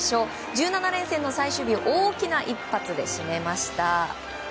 １７連戦の最終日大きな一発で締めました。